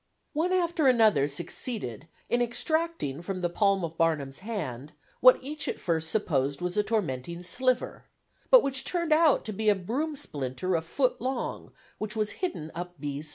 One after another succeeded in extracting from the palm of Barnum's hand what each at first supposed was a tormenting 'sliver,' but which turned out to be a 'broom splinter' a foot long which was hidden up B.